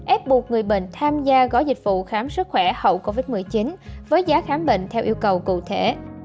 ép buộc người bệnh tham gia gói dịch vụ khám sức khỏe hậu covid một mươi chín với giá khám bệnh theo yêu cầu cụ thể